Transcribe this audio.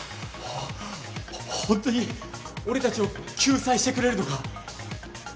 ホントに俺たちを救済してくれるのか？